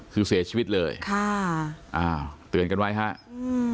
คือเสียชีวิตเลยค่ะอ้าวเตือนกันไว้ฮะอืม